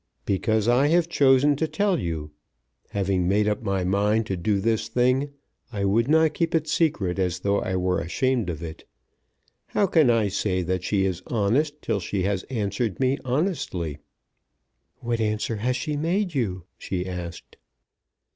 "Because I have chosen to tell you. Having made up my mind to do this thing, I would not keep it secret as though I were ashamed of it. How can I say that she is honest till she has answered me honestly?" "What answer has she made you?" she asked.